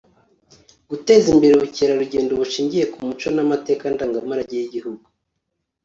guteza imbere ubukerarugendo bushingiye ku muco n'amateka ndangamurage y'igihugu